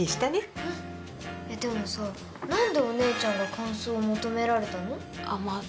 でもさ何でお姉ちゃんが感想を求められたの？